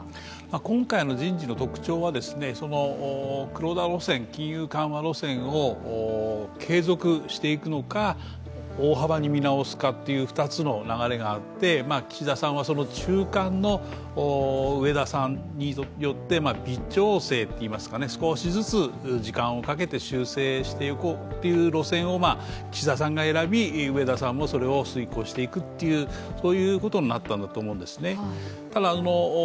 今回の人事の特徴は、黒田路線、金融緩和路線を継続していくのか大幅に見直すかという２つの流れがあって岸田さんはその中間の、植田さんによって微調整といいますか、少しずつ時間をかけて修正していこうという路線を岸田さんが選び、植田さんもそれを遂行していくということになったんだと思いますね。